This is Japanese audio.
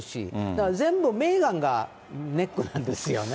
だから全部メーガンがネックなんですよね。